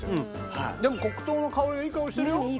でも黒糖の香りいい香りしてるよ。